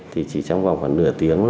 thì chỉ trong vòng khoảng nửa tiếng